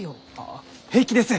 あ平気です！